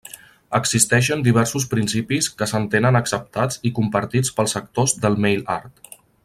Existeixen diversos principis que s'entenen acceptats i compartits pels actors del mail art.